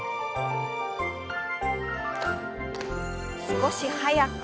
少し速く。